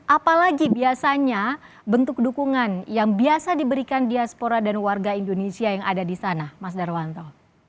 apalagi biasanya bentuk dukungan yang biasa diberikan diaspora dan warga indonesia yang ada di sana mas darwanto